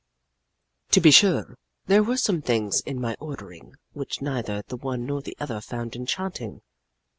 "To be sure, there were some things in my ordering which neither the one nor the other found enchanting.